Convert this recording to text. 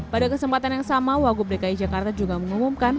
pada kesempatan yang sama wagub dki jakarta juga mengumumkan